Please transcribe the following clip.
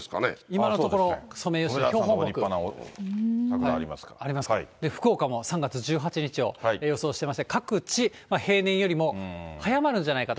今のところ、ソメイヨシノの福岡も３月１８日を予想していまして、各地、平年よりも早まるんじゃないかと。